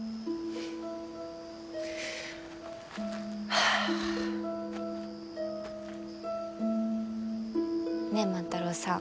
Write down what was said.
はあ。ねえ万太郎さん。